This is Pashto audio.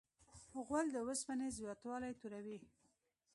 غول د اوسپنې زیاتوالی توروي.